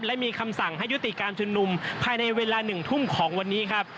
และมีคำสั่งให้ยุติการชุมนุมภายในเวลา๑ทุ่มของวันนี้ครับ